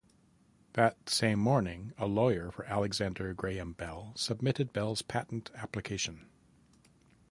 That same morning a lawyer for Alexander Graham Bell submitted Bell's patent application.